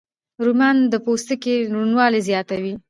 رومیان د پوستکي روڼوالی زیاتوي